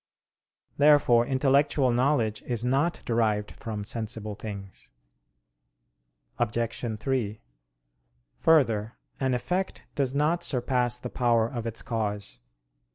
Therefore intellectual knowledge is not derived from sensible things. Obj. 3: Further, an effect does not surpass the power of its cause.